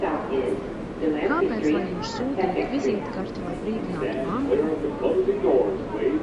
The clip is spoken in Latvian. Kāpēc lai viņš sūtītu vizītkarti, lai brīdinātu banku?